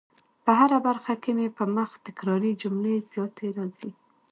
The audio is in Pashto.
په هره برخه کي مي په مخ تکراري جملې زیاتې راځي